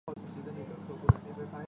必须管理员参与才能完成。